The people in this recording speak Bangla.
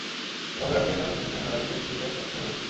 এভাবে রাত জেগে খেলা দেখে দিনের বেলায় এসে খেলতে কষ্টই হয়েছে।